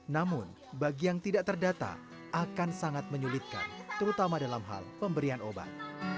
namun bagi yang tidak terdata akan sangat menyulitkan terutama dalam hal pemberian obat